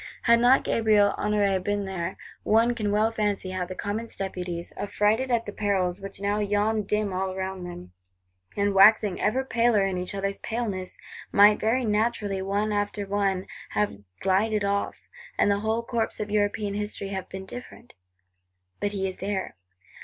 Had not Gabriel Honoré been there,—one can well fancy, how the Commons Deputies, affrighted at the perils which now yawned dim all round them, and waxing ever paler in each other's paleness, might very naturally, one after one, have glided off; and the whole course of European History have been different! But he is there.